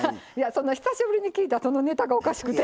そんな久しぶりに聞いたそのネタがおかしくて。